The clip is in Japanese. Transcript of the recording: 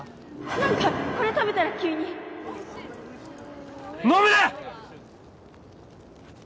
何かこれ食べたら急に飲むな！